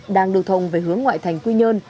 đang đột thông về hướng ngoại thành quy nhơn